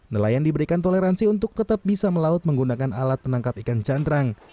nelayan diberikan toleransi untuk tetap bisa melaut menggunakan alat penangkap ikan cantrang